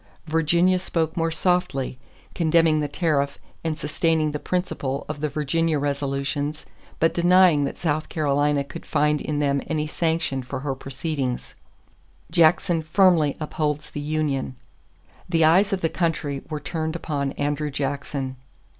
Virginia spoke more softly, condemning the tariff and sustaining the principle of the Virginia resolutions but denying that South Carolina could find in them any sanction for her proceedings. Jackson Firmly Upholds the Union. The eyes of the country were turned upon Andrew Jackson.